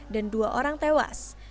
dan dua orang tewas